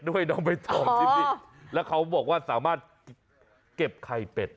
น้องใบตองที่นี่แล้วเขาบอกว่าสามารถเก็บไข่เป็ด